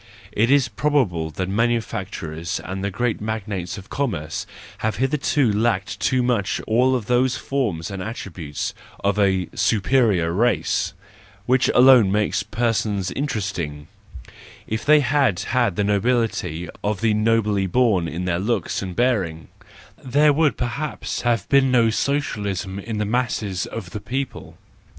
It is prob¬ able that the manufacturers and great magnates of commerce have hitherto lacked too much all those forms and attributes of a superior race> which alone make persons interesting; if they had had the nobility of the nobly born in their looks and bearing, there would perhaps have been no socialism in the masses of the people.